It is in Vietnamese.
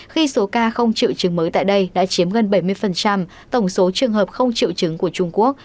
khi số ca không triệu chứng mới tại đây đã chiếm gần bảy mươi tổng số trường hợp không triệu chứng của trung quốc